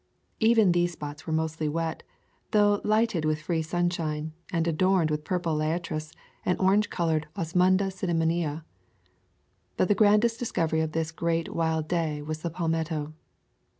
Even these spots were mostly wet, though lighted with free sunshine, and adorned with purple liatris, and orange colored Osmunda cinnamomea. But the grandest discovery of this great wild day was the palmetto.